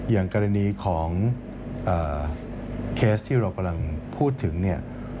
อย่างกรณีของเคสที่เรากำลังพูดถึงเนี่ย